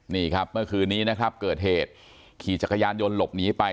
นี่ครับเมื่อคืนนี้นะครับเกิดเหตุขี่จักรยานยนต์หลบหนีไป